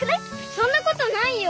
そんなことないよ。